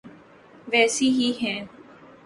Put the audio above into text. ویسی ہی ہیں۔